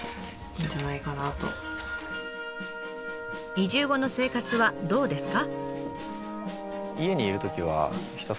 移住後の生活はどうですか？